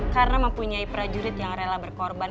karena mempunyai prajurit yang rela berkorban